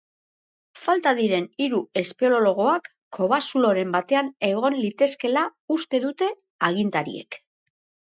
Falta diren hiru espeleologoak kobazuloren batean egon litezkeela uste dute agintariek.